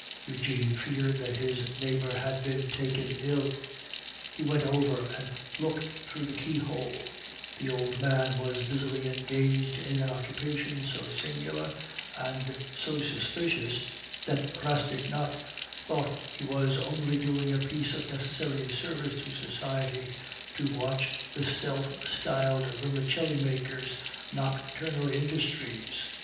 Eugene feared that his neighbor had been taken ill; he went over and looked through the keyhole; the old man was busily engaged in an occupation so singular and so suspicious that Rastignac thought he was only doing a piece of necessary service to society to watch the self styled vermicelli maker's nocturnal industries.